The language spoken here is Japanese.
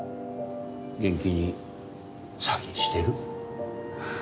元気に詐欺してる？